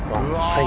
はい。